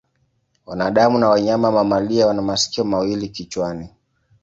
Wanadamu na wanyama mamalia wana masikio mawili kichwani.